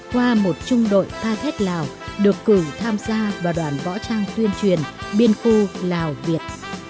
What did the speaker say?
qua một trung đội tha thiết lào được cử tham gia vào đoàn võ trang tuyên truyền biên khu lào việt